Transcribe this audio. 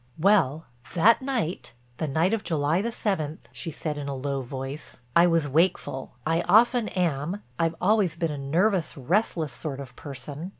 "Well that night, the night of July the seventh," she said in a low voice, "I was wakeful. I often am, I've always been a nervous, restless sort of person.